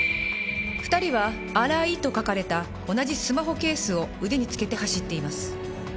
２人は「ＡＲＡＩ」と書かれた同じスマホケースを腕につけて走っています。